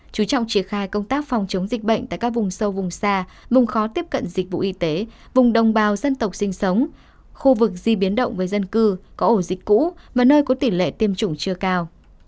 chú trọng triển khai công tác phòng chống dịch bệnh tại các vùng sâu vùng xa vùng khó tiếp cận dịch vụ y tế vùng đồng bào dân tộc sinh sống khu vực di biến động với dân cư có ổ dịch cũ và nơi có tỷ lệ tiêm chủng chưa cao